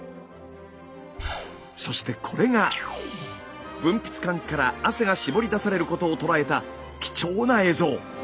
そしてこれが分泌管から汗がしぼり出されることを捉えた貴重な映像。